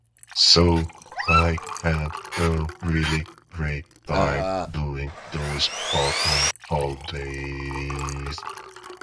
So, I had a really great time during those autumn holidays.